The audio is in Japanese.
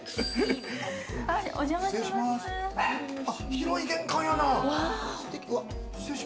広い玄関やな。